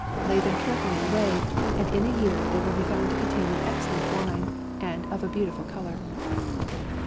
Lay them carefully away, and in a year they will be found to contain an ex cellent wine, and of a beautiful colour.